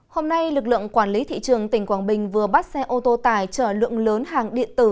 hôm nay lực lượng quản lý thị trường tỉnh quảng bình vừa bắt xe ô tô tải chở lượng lớn hàng điện tử